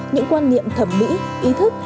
những quan niệm thẩm mỹ ý thức